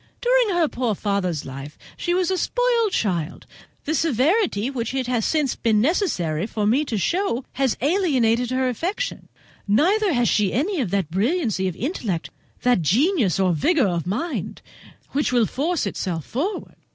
During her poor father's life she was a spoilt child; the severity which it has since been necessary for me to show has alienated her affection; neither has she any of that brilliancy of intellect, that genius or vigour of mind which will force itself forward."